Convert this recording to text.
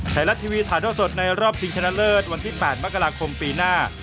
ไทยรัฐทีวีถ่ายเท่าสดในรอบชิงชนะเลิศวันที่๘มกราคมปีหน้า